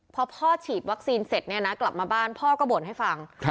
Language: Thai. พอพ่อฉีดวัคซีนเสร็จเนี่ยนะกลับมาบ้านพ่อก็บ่นให้ฟัง